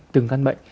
từng căn bệnh